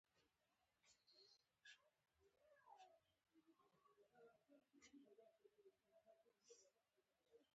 زردالو له خواږو یادونو سره تړاو لري.